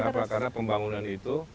karena pembangunan itu